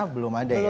belum ada ya